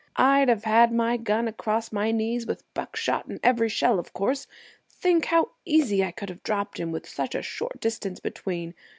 I'd have had my gun across my knees, with buckshot in every shell, of course. Think how easy I could have dropped him, with such a short distance between.